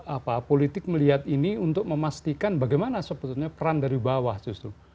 apa politik melihat ini untuk memastikan bagaimana sebetulnya peran dari bawah justru